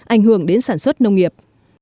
ảnh hưởng đến sản xuất nông nghiệp